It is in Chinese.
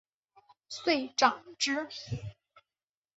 遂斩之。